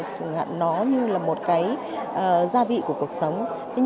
chẳng hạn nó như là một cái gia vị của cuộc sống